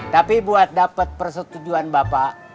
tapi buat dapat persetujuan bapak